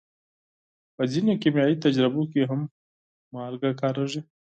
په ځینو کیمیاوي تجربو کې هم مالګه کارېږي.